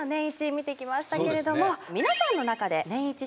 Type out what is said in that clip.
見てきましたけれども皆さんの中でネンイチ！